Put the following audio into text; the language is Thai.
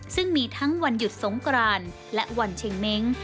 ซึ่งมีทั้งวันหยุดสงกรานและวันเชงเม้ง